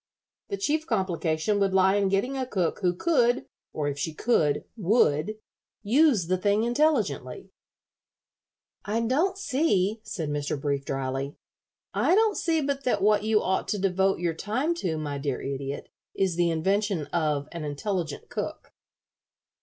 The chief complication would lie in getting a cook who could, or if she could, would, use the thing intelligently." "I don't see," said Mr. Brief, dryly "I don't see but that what you ought to devote your time to, my dear Idiot, is the invention of an intelligent cook."